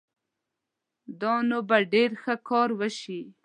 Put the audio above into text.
دا نو به ډېر ښه کار وشي